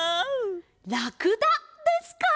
ラクダですか！